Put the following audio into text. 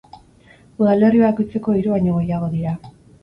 Udalerri bakoitzeko hiru baino gehiago dira.